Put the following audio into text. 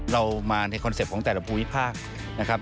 เรามาในคอนเซ็ปต์ของแต่ละภูมิภาคนะครับ